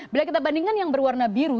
bila kita bandingkan yang berwarna biru